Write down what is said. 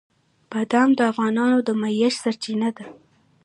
بادام د افغانانو د معیشت سرچینه ده.